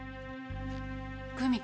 久美子。